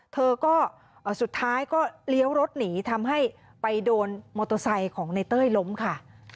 เธอก็สุดท้ายก็เลี้ยวรถหนีทำให้ไปโดนมอเตอร์ไซค์ของในเต้ยล้มค่ะ